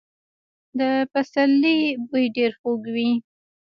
د پسرلي بوی ډېر خوږ وي.